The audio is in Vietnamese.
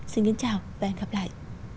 xin chào và hẹn gặp lại